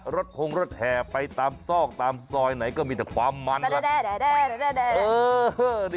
คงรถแห่ไปตามซอกตามซอยไหนก็มีแต่ความมัน